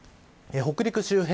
北陸周辺